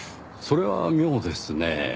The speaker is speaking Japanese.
それは妙ですねぇ。